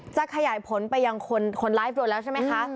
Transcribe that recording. จะขยายผลไปยังคนไลฟ์รวมแล้วใช่ไหมคะ